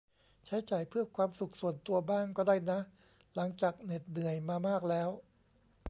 ใช้จ่ายเพื่อความสุขส่วนตัวบ้างก็ได้นะหลังจากเหน็ดเหนื่อยมามากแล้ว